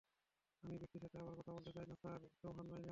আমি এই ব্যক্তির সাথে আবার কথা বলতে চাই না স্যার, চৌহান লাইনে আছে।